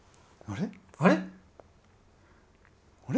あれ？